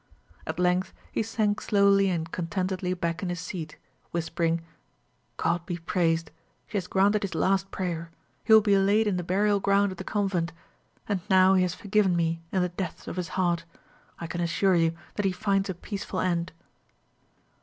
At length he sank slowly and contentedly back in his seat, whispering, "God be praised! She has granted his last prayer; he will be laid in the burial ground of the convent, and now he has forgiven me in the depths of his heart. I can assure you that he finds a peaceful end."